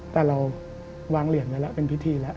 แต่เราวางเหรียญไว้แล้วเป็นพิธีแล้ว